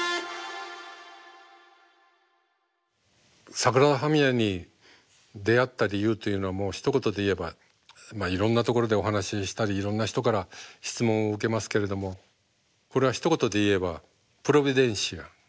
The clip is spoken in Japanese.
サグラダ・ファミリアに出会った理由というのはもうひと言で言えばいろんなところでお話ししたりいろんな人から質問を受けますけれどもこれはひと言で言えばプロビデンシア。